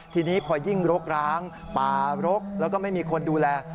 ทีนี้พอยิ่งรกร้างป่ารกแล้วก็ไม่มีคนดูแล